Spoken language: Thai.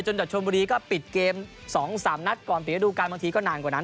จากชนบุรีก็ปิดเกม๒๓นัดก่อนปิดระดูการบางทีก็นานกว่านั้น